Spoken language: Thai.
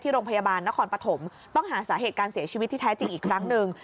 โรงพยาบาลนครปฐมต้องหาสาเหตุการเสียชีวิตที่แท้จริงอีกครั้งหนึ่ง